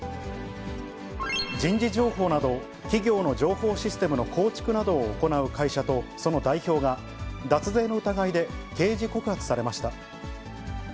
人事情報など、企業の情報システムの構築などを行う会社とその代表が、脱税の疑いで刑事告発されました。